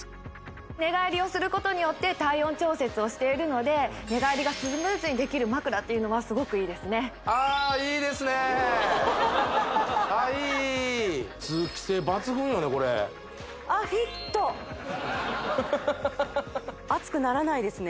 寝返りをすることによって体温調節をしているので寝返りがスムーズにできる枕っていうのはすごくいいですねああいいいいいいいい熱くならないですね